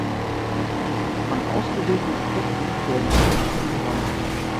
Von ausgewählten Objekten werden Spektren gewonnen.